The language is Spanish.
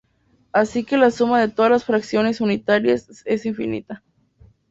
Así que la suma de todas las fracciones unitarias es infinita.